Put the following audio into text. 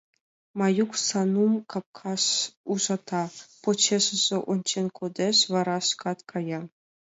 Маюк Санум капкаш ужата, почешыже ончен кодеш, вара шкат кая.